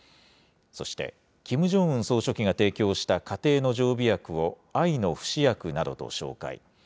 そして、キム・ジョンウン総書記が提供した家庭の常備薬を愛の不死薬などと紹介。